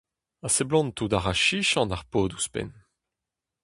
Ha seblantout a ra chichant ar paotr ouzhpenn !